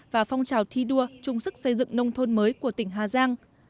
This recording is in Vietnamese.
và phong trào thi đua chung sức xây dựng nông thôn mới của tỉnh hà giang